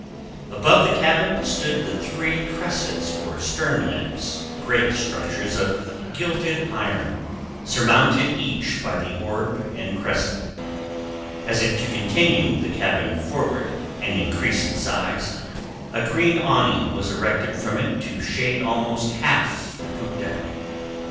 Above the cabin stood the three cressets or stern lamps, great structures of gilded iron surmounted each by the orb and crescent. As if to continue the cabin forward and increase its size, a green awning was erected from it to shade almost half the poop deck.